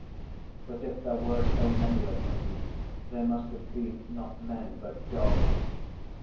But if there were so many of them, they must have been not men but gods.